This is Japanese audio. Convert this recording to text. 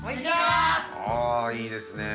おいいですね。